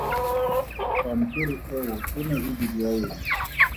Pampiri eo e ne e bidiwa eng?